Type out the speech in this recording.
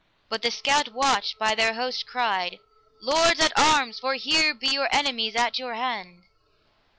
But the scout watch by their host cried, Lords! at arms! for here be your enemies at your hand!